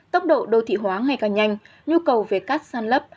tốc độ đô thị hóa ngày càng nhanh nhu cầu về cát sàn lấp